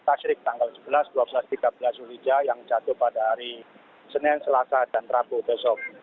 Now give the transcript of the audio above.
pasrik tanggal sebelas tiga belas juli yang jatuh pada hari senin selasa dan rabu besok